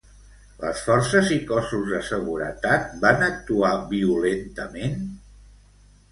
Les forces i cossos de seguretat van actuar violentament?